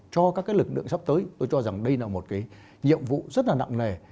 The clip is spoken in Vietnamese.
cho các cái lực lượng sắp tới tôi cho rằng đây là một cái nhiệm vụ rất là nặng nề